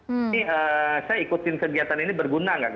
ini saya ikutin kegiatan ini berguna